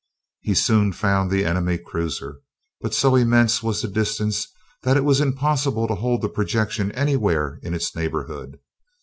He soon found the enemy cruiser, but so immense was the distance that it was impossible to hold the projection anywhere in its neighborhood.